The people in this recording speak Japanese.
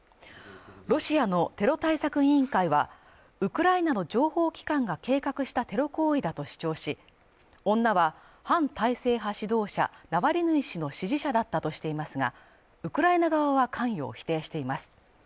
ロシアのテロ対策委員会は、ウクライナの情報機関が計画したテロ行為だと主張し、女は反体制派指導者ナワリヌイ氏の支持者だったとしていますが、ウクライナ側は関与を否定しています。